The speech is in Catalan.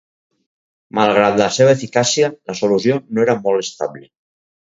Malgrat la seva eficàcia, la solució no era molt estable.